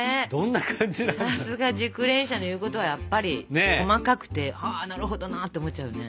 さすが熟練者の言うことはやっぱり細かくて「はなるほどな」って思っちゃうよね。